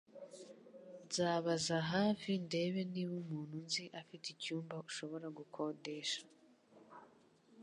Nzabaza hafi ndebe niba umuntu nzi afite icyumba ushobora gukodesha